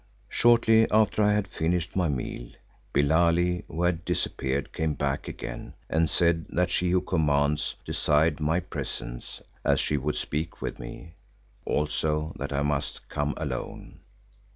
Shortly after I had finished my meal, Billali, who had disappeared, came back again and said that She who commands desired my presence as she would speak with me; also that I must come alone.